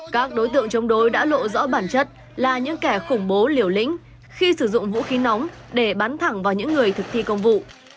các đối tượng chống đối đã lộ rõ bản chất là những kẻ khủng bố liều lĩnh khi sử dụng vũ khí nóng để bắn thẳng vào những người thực thi công vụ